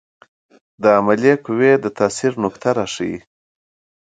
د عاملې قوې د تاثیر نقطه راښيي.